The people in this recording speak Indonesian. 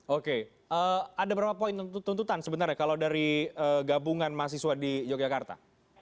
oke ada berapa poin tuntutan sebenarnya kalau dari gabungan mahasiswa di yogyakarta